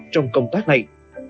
trong công tác này